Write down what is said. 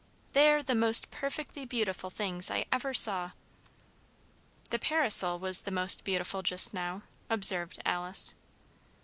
They are the most perfectly beautiful things I ever saw." "The parasol was the most beautiful just now," observed Alice.